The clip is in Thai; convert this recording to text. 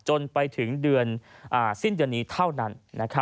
จนไปถึงเดือนสิ้นเดือนนี้เท่านั้น